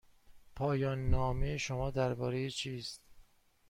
پایان نامه شما درباره چیست؟